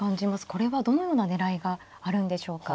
これはどのような狙いがあるんでしょうか。